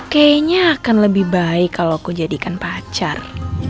kayaknya akan lebih baik kalau aku jadikan pacar